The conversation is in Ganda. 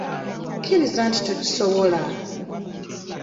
Kkiriza nti tokisobola.